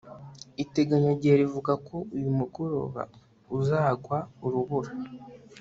iteganyagihe rivuga ko uyu mugoroba uzagwa urubura